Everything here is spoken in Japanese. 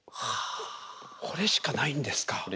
これしかないんですか。